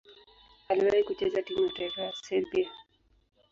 Aliwahi kucheza timu ya taifa ya Serbia.